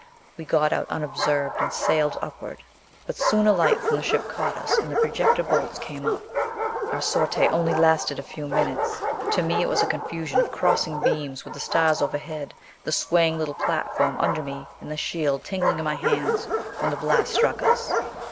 We got out unobserved and sailed upward; but soon a light from the ship caught us. And the projector bolts came up.... Our sortie only lasted a few minutes. To me, it was a confusion of crossing beams, with the stars overhead, the swaying little platform under me, and the shield tingling in my hands when the blasts struck us.